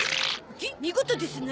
見事ですな。